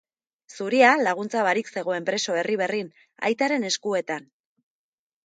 Zuria laguntza barik zegoen preso Erriberrin, aitaren eskuetan.